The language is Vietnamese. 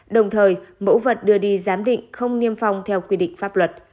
đồng thời mẫu vật đưa đi giám định không niêm phong theo quy định pháp luật